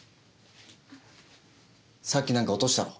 さっきなんか落としたろう？